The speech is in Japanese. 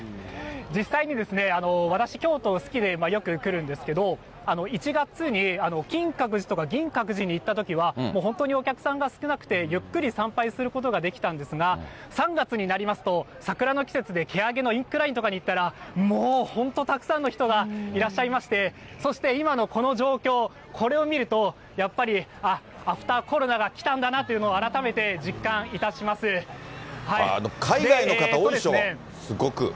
実際に私、京都好きで、よく来るんですけど、１月に金閣寺とか銀閣寺に行ったときは、もう本当にお客さんが少なくて、ゆっくり参拝することができたんですが、３月になりますと、桜の季節でけあげのインクラインに行ったら、本当にたくさんの人がいらっしゃいまして、そして、今のこの状況、これを見ると、やっぱり、アフターコロナが来たんだなっていうの海外の方、多いでしょ？